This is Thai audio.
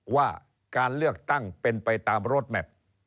ว่าการเลือกตั้งเป็นไปตามโรดแมพ